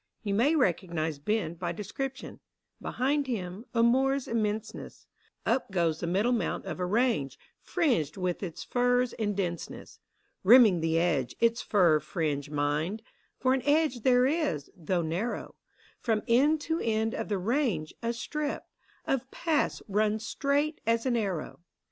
You may recognise Ben by description ; Behind him — a moor's immenseness : Up goes the middle mount of a range, Fringed with its firs in denseness. Rimming the edge, its fir fringe, mind ! For an edge there is, though narrow ; From end to end of the range, a strip Of path runs straight as an arrow.